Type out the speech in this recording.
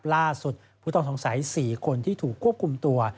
ล่าสุดผู้ต้องสงสัย๔คนที่ถูกควบคุมตัว